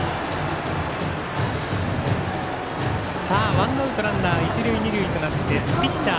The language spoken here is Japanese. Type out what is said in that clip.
ワンアウト、ランナー一塁二塁となってピッチャー